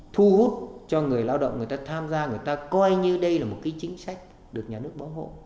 thu hút cho người lao động người ta tham gia người ta coi như đây là một cái chính sách được nhà nước bảo hộ